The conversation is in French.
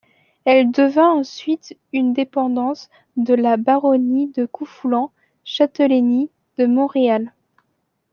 Elle devint ensuite une dépendance de la baronnie de Couffoulens, châtellenie de Montréal.